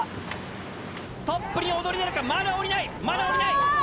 トップに躍り出るかまだ下りないまだ下りない。